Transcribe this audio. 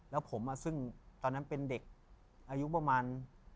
แล้วผมซึ่งตอนนั้นเป็นเด็กอายุประมาณ